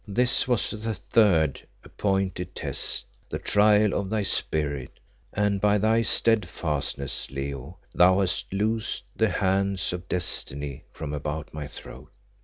This was the third appointed test, the trial of thy spirit, and by thy steadfastness, Leo, thou hast loosed the hand of Destiny from about my throat.